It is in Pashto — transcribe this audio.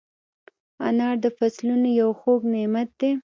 انار د فصلونو یو خوږ نعمت دی.